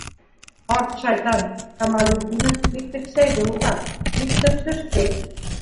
Ҡарт шайтан, Камалетдинов бик тексәйҙе уға, бик төпсөштө.